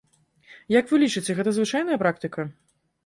Як вы лічыце, гэта звычайная практыка?